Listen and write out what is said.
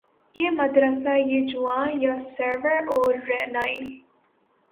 یہ مدرسہ یہ جواں یہ سرور و رعنائی